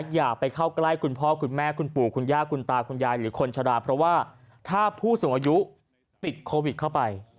อย่าไปเข้าใกล้คุณพ่อคุณแม่คุณปู่คุณย่าคุณตาคุณยายหรือคนชะลาเพราะว่าถ้าผู้สูงอายุติดโควิดเข้าไป